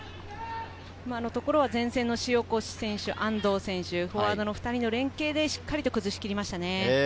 前線の塩越選手、安藤選手、フォワードの２人の連係でしっかり崩し切りましたね。